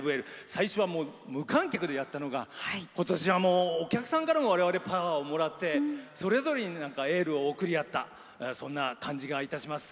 最初は無観客でやったのが今年は、お客さんからも我々パワーをもらってそれぞれにエールを送り合ったそんな感じがいたします。